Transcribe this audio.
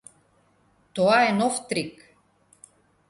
Тоа е нов трик.